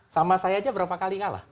sama saya aja berapa kali ngalah